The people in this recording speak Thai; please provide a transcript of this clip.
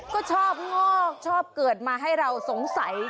ก็ชอบงอกชอบเกิดมาให้เราสงสัย